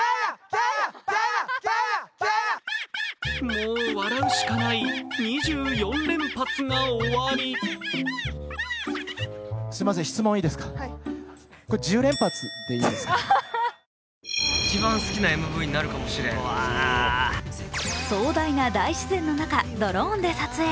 もう笑うしかない２４連発が終わり壮大な大自然の中、ドローンで撮影。